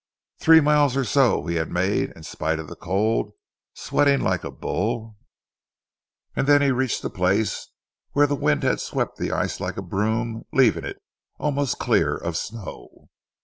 Three miles or so he made, in spite of the cold, sweating like a bull, and then he reached a place where the wind had swept the ice like a broom leaving it almost clear of snow.